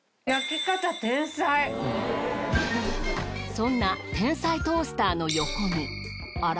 そんな天才トースターの横にあら？